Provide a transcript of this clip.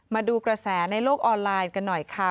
มาดูกระแสในโลกออนไลน์กันหน่อยค่ะ